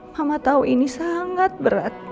mama tahu ini sangat berat